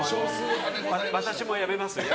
私もやめます。